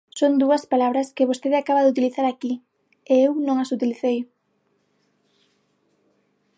Son dúas palabras que vostede acaba de utilizar aquí, e eu non as utilicei.